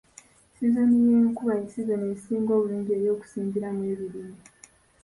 Sizoni y'enkuba ye sizoni esinga obulungi ey'okusimbiramu ebirime.